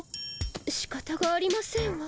しかたがありませんわ。